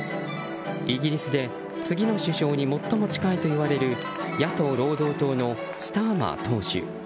イギリスで次の首相に最も近いといわれる野党・労働党のスターマー党首。